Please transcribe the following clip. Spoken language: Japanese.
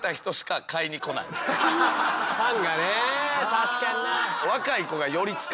確かにな。